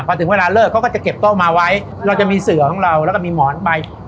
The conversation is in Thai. พอถึงเวลาเลิกเขาก็จะเก็บโต้มาไว้เราจะมีเสือของเราแล้วก็มีหมอนใบ